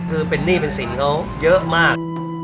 คือเป็นหนี้เป็นสินเขาเยอะมาก